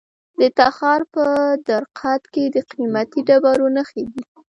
د تخار په درقد کې د قیمتي ډبرو نښې دي.